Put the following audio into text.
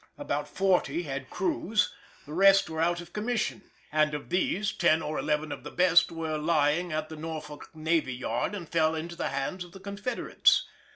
About forty had crews; the rest were out of commission, and of these ten or eleven of the best were lying at the Norfolk Navy Yard and fell into the hands of the Confederates.